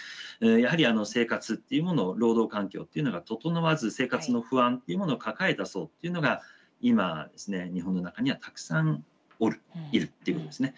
やはり生活っていうもの労働環境っていうのが整わず生活の不安っていうものを抱えた層っていうのが今ですね日本の中にはたくさんおるいるということですね。